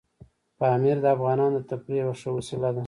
پامیر د افغانانو د تفریح یوه ښه وسیله ده.